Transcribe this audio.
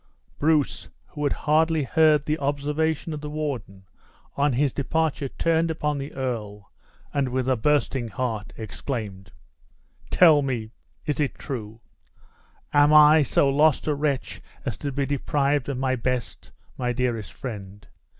Bruce, who had hardly heard the observation of the warden, on his departure turned upon the earl, and, with a bursting heart, exclaimed: "Tell me, is it true? Am I so lost a wretch as to be deprived of my best, my dearest friend?